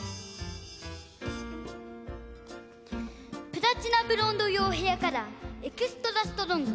プラチナ・ブロンド用ヘアカラーエクストラ・ストロング。